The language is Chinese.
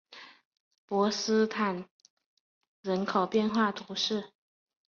博斯康坦人口变化图示